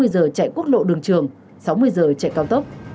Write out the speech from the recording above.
hai mươi giờ chạy quốc lộ đường trường sáu mươi giờ chạy cao tốc